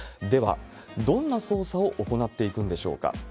では、どんな捜査を行っていくんでしょうか。